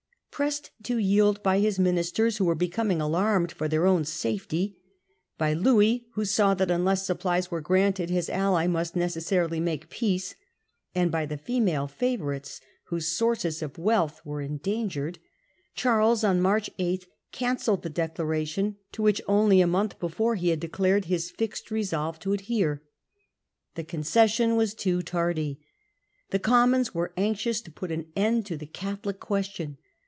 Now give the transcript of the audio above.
Pressed to yield by his ministers, who were Charles becoming alarmed for their own safety, by cancels the, Louis, who saw that unless supplies were March ' granted his ally must necessarily make peace, l6?3 ' and by the female favourites, whose sources of wealth were endangered, Charles on March 8 cancelled the Declaration to which only a month before he had declared his fixed resolve to adhere. The concession was too tardy. The Commons were anxious to put an end to the Catholic Question.